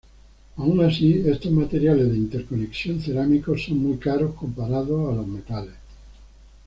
Aun así, estos materiales de interconexión cerámicos son muy caros comparados a los metales.